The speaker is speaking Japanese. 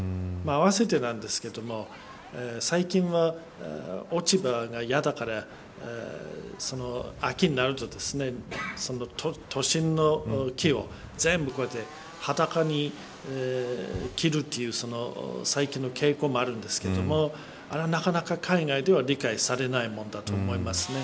あわせてなんですが最近は落ち葉が嫌だから秋になると都心の木を全部裸に切るという最近の傾向もあるんですけれどもあれは、なかなか海外では理解されないものだと思いますね。